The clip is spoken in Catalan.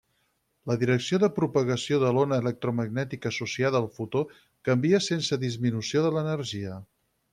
La direcció de propagació de l'ona electromagnètica associada al fotó canvia sense disminució de l'energia.